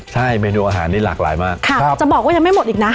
ใช่เมนูอาหารนี่หลากหลายมากจะบอกว่ายังไม่หมดอีกนะ